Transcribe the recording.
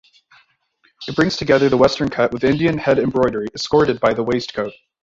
It brings together the western cut with Indian hand-embroidery escorted by the Waist coat.